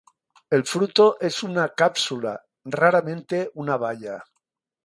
El fruto es una cápsula, raramente una baya.